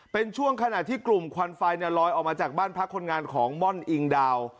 เป็นช่วงขณะที่กลุ่มควันไฟลอยออกมาจากบ้านพักคนงานของม่อนอิงดาว